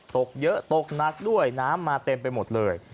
ตกเยอะตกหนักด้วยน้ำมาเต็มไปหมดเลย